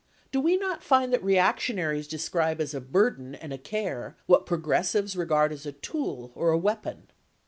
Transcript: Do we not find that reactionaries describe as a burden and a care what progressives regard as a tool or a weapon?